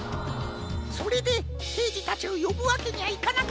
それでけいじたちをよぶわけにはいかなかったんじゃ。